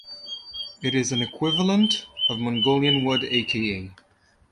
It is an equivalent of Mongolian word "aka".